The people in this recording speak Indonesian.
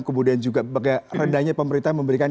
kemudian juga rendahnya pemerintah memberikan